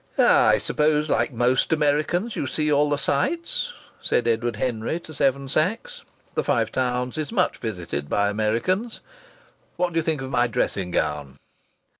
"I suppose, like most Americans, you see all the sights," said Edward Henry to Seven Sachs the Five Towns is much visited by Americans. "What do you think of my dressing gown?"